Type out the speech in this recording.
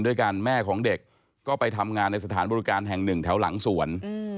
ด้วยกันแม่ของเด็กก็ไปทำงานในสถานบริการแห่ง๑แถวหลังสวน